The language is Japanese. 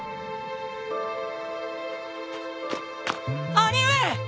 兄上！